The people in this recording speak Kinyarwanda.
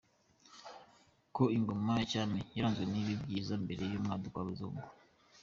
Ko ingoma ya cyami yaranzwe n’ibibi n’ibyiza mbere y’umwaduko w’abazungu